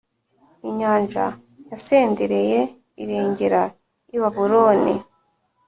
Inyanja yasendereye irengera i Babuloni